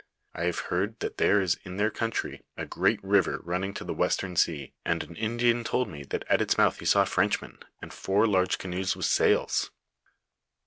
I have heard that there is in their country a great river running to the western sea, and an Indian told me that at its mouth he saw Frenchmen, and four large canoes with sails.